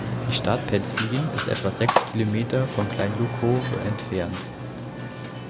Die Stadt Penzlin ist etwa sechs Kilometer von Klein Lukow entfernt.